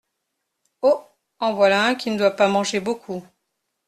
Oh ! en voilà un qui ne doit pas manger beaucoup …